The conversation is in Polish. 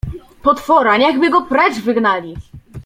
Potwora, niechby go precz wygnali!